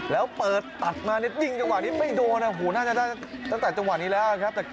แล้วเปิดตัดมายิงจังหวะนี้ไม่โดนนะหูวน่าจะจัดจังหวะนี้แล้วครับ